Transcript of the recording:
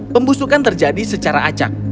pembusukan terjadi secara acak